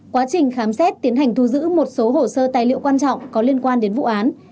quá trình khám xét tiến hành thu giữ một số hồ sơ tài liệu quan trọng có liên quan đến vụ án